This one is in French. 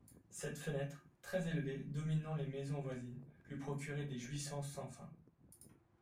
Cette fenêtre, très-élevée, dominant les maisons voisines, lui procurait des jouissances sans fin.